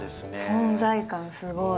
存在感すごい。